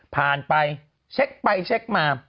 ผ่านไปเช็กไปเช็กมา